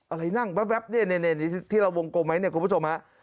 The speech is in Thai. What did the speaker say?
อะไรนั่งแว๊บเนี่ยที่เราวงกลมไว้เนี่ยคุณผู้ชมฮะ